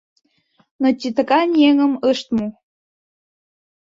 Но титакан еҥым ышт му.